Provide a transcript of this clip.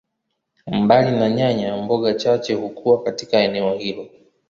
Mbali na nyanya, mboga chache hukua katika eneo.